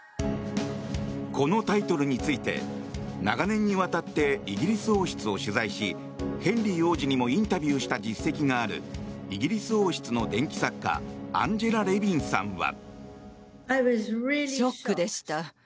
このタイトルについて長年にわたってイギリス王室を取材しヘンリー王子にもインタビューした実績があるイギリス王室伝記作家アンジェラ・レヴィンさんは。